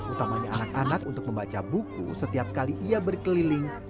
utamanya anak anak untuk membaca buku setiap kali ia berkeliling